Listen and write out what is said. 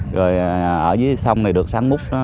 rồi ở dưới sông này được sáng múc